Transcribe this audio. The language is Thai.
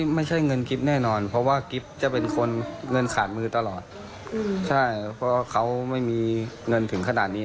มันทำกับใครอะไรยังไง